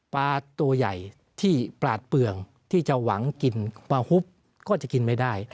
ปลาตัวใหญ่ที่ปลาดเปลืองที่จะหวังกินปลาฮุบก็จะกินไม่ได้